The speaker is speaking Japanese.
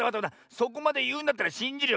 そこまでいうんだったらしんじるよ。